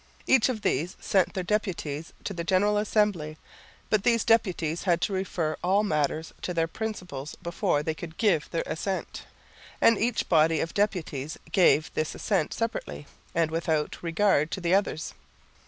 Each of these sent their deputies to the General Assembly, but these deputies had to refer all matters to their principals before they could give their assent, and each body of deputies gave this assent separately, and without regard to the others.